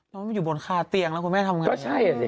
น้องมันอยู่บนคาเตียงแล้วคุณแม่ทำยังไง